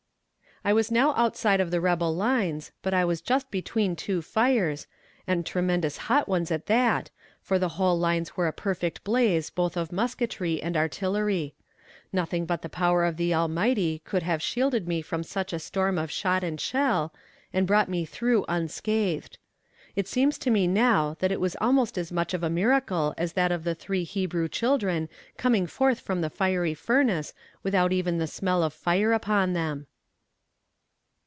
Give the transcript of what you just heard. I was now outside of the rebel lines, but I was just between two fires, and tremendous hot ones at that, for the whole lines were a perfect blaze both of musketry and artillery. Nothing but the power of the Almighty could have shielded me from such a storm of shot and shell, and brought me through unscathed. It seems to me now that it was almost as much of a miracle as that of the three Hebrew children coming forth from the fiery furnace without even the smell of fire upon them.